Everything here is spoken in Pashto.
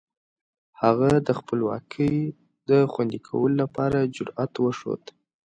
هغه د خپلواکۍ د خوندي کولو لپاره جرئت وښود.